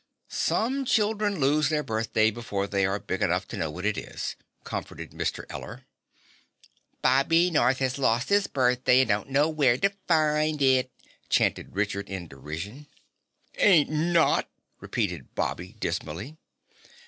"Some children lose their birthday before they are big enough to know what it is," comforted Mr. Eller. "Bobby North has lost his birthday and don't know where to find it!" chanted Richard in derision. "Ain't not," repeated Bobby dismally.